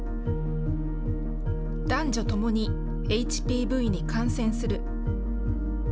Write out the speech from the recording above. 男女ともにＨＰＶに感染する。